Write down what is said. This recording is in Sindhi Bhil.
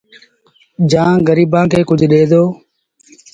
جآنٚ گريبآنٚ کي ڪجھ ڏي ڇڏي